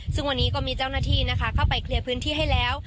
ซึ่งวันนี้ก็มีเจ้าหน้าที่นะคะเข้าไปเคลียร์พื้นที่ให้แล้ว